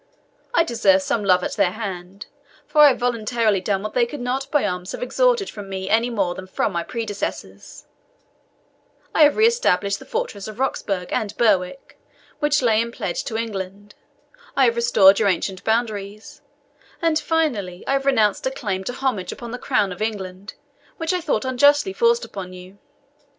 I deserve some love at their hand, for I have voluntarily done what they could not by arms have extorted from me any more than from my predecessors, I have re established the fortresses of Roxburgh and Berwick, which lay in pledge to England; I have restored your ancient boundaries; and, finally, I have renounced a claim to homage upon the crown of England, which I thought unjustly forced on you.